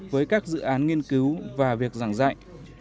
với các dự án nghiên cứu và việc giảng dạy